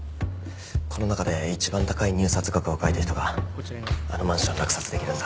この中で一番高い入札額を書いた人があのマンションを落札できるんだ。